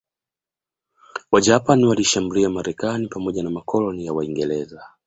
Wajapani waliishambulia Marekani pamoja na makoloni ya Waingereza